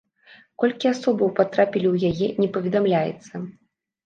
Колькі асобаў патрапілі ў яе, не паведамляецца.